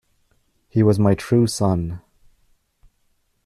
He was my true son.